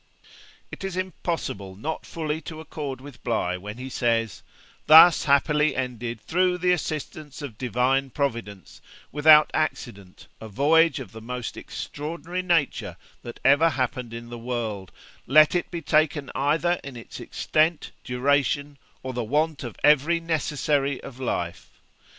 It is impossible not fully to accord with Bligh when he says, 'Thus happily ended, through the assistance of Divine Providence, without accident, a voyage of the most extraordinary nature that ever happened in the world, let it be taken either in its extent, duration, or the want of every necessary of life.'